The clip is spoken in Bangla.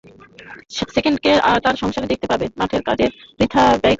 সাণ্ডেলকে তার সংসার দেখতে বলবে, মঠের কাজে-টাজে বৃথা সময় সে ব্যয় না করে।